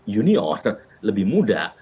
junior lebih muda